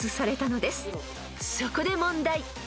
［そこで問題］